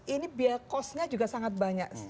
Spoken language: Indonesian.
ini biaya kosnya juga sangat banyak